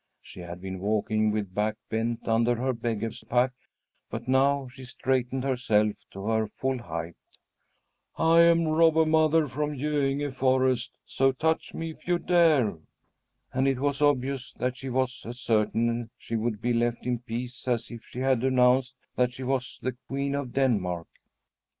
She had been walking with back bent under her beggar's pack, but now she straightened herself to her full height. "I am Robber Mother from Göinge forest; so touch me if you dare!" And it was obvious that she was as certain she would be left in peace as if she had announced that she was the Queen of Denmark.